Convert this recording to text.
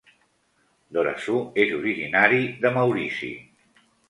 Dhorasoo és originari de Maurici.